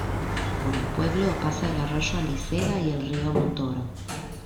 Por el pueblo pasa el arroyo Aliseda y el río Montoro.